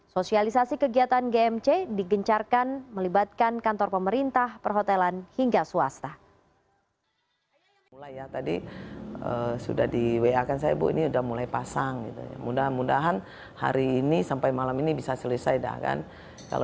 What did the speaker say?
sosialisasi kegiatan gmc digencarkan melibatkan kantor pemerintah perhotelan hingga swasta